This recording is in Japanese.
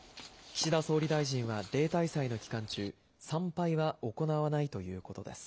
岸田総理大臣は例大祭の期間中、参拝は行わないということです。